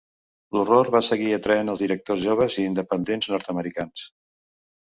L'horror va seguir atraent als directors joves i independents nord-americans.